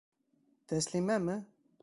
Тәслимәме?